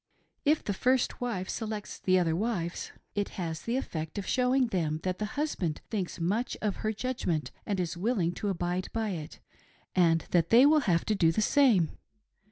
If the first wife selects the other wives, it has 21 372 "they get used to it. the effect of showing them that the husband thinks much of her judgment and is willing to abide by it, and that they will have to do the same.